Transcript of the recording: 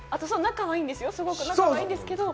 仲はいいんですよ。